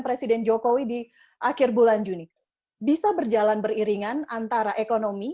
presiden jokowi di akhir bulan juni bisa berjalan beriringan antara ekonomi